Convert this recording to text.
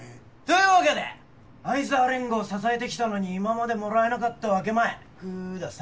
というわけで愛沢連合支えてきたのに今までもらえなかった分け前ください。